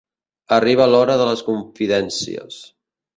Arriba l'hora de les confidències.